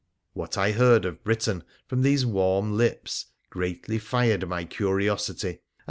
What I heard of Britain from these warm lips greatly fired my curiosity, and.